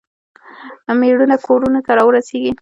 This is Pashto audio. میړونه کورونو ته راورسیږي.